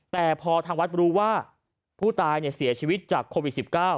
แต่พอทางวัดรู้ว่าผู้ตายเสียชีวิตจากโควิด๑๙